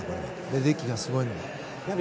レデッキーがすごいのは。